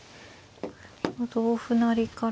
同歩成から。